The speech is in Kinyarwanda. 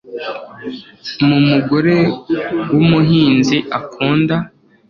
Mu mugore wumuhinzi akunda